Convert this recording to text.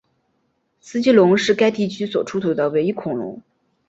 斯基龙是该地区所出土的唯一恐龙。